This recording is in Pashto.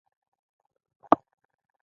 آیا دا د سیمې لپاره ښه خبر نه دی؟